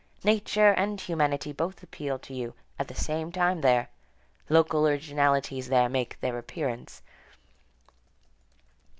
Nature and humanity both appeal to you at the same time there. Local originalities there make their appearance.